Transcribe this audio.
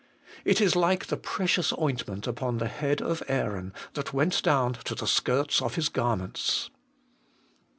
'It is like the precious ointment upon the head of Aaron, that went down to the skirts of his garments.